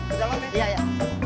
ke dalam ya iya iya